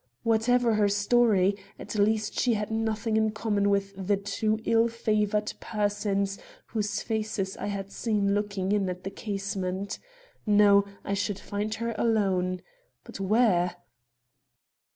Whatever her story, at least she had nothing in common with the two ill favored persons whose faces I had seen looking in at the casement. No; I should find her alone, but where?